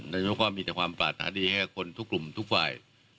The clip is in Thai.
นายกก็มีแต่ความปรารถนาดีให้กับคนทุกกลุ่มทุกฝ่าย